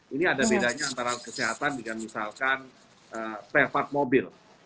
ini ada bedanya antara kesehatan dengan misalkan privat mobil